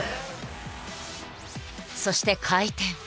そして回転。